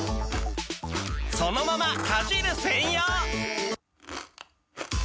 そのままかじる専用！